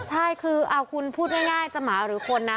ใช่คือเอาคุณพูดง่ายจะหมาหรือคนนะ